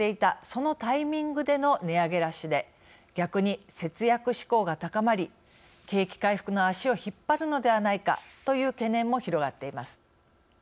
そのタイミングでの値上げラッシュで逆に節約志向が高まり景気回復の足を引っ張るのではないかという懸念も広がっています。